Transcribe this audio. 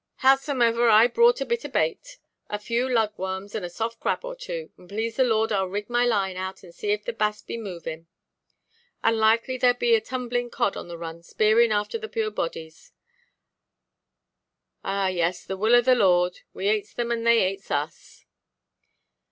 Howsomever, I brought a bit of bait, a few lug–worms, and a soft crab or two; and please the Lord Iʼll rig my line out, and see if the bass be moving. And likely there may be a tumbling cod on the run speering after the puir bodies. Ah, yes, the will of the Lord; we ates them, and they ates us."